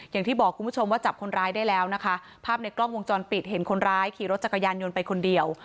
อย่างที่บอกคุณผู้ชมว่าจับคนร้ายได้แล้วนะคะภาพในกล้องวงจรปิดเห็นคนร้ายขี่รถจักรยานยนต์ไปคนเดียว